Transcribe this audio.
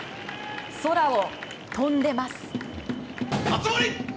空を飛んでます。